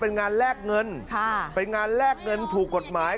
เป็นงานแลกเงินค่ะเป็นงานแลกเงินถูกกฎหมาย